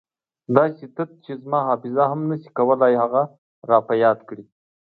داسې تت چې زما حافظه هم نه شي کولای هغه را په یاد کړي.